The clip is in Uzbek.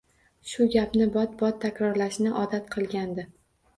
Shu gapni bot-bot takrorlashni odat qilgandi.